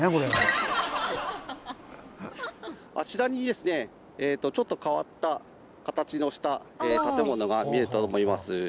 あちらにですねちょっと変わった形をした建物が見えると思います。